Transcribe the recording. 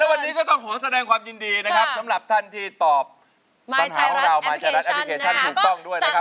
วันนี้ก็ต้องขอแสดงความยินดีนะครับสำหรับท่านที่ตอบปัญหาของเรามาจากรัฐแอปพลิเคชันถูกต้องด้วยนะครับ